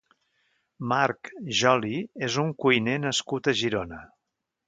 Marc Joli és un cuiner nascut a Girona.